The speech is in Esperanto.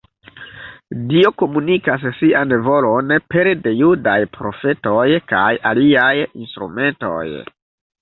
Dio komunikas sian volon pere de judaj profetoj kaj aliaj instrumentoj.